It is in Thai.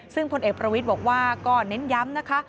ซึ่งพลเอกประวิดวงสุวรรณรองก็เน้นย้ำ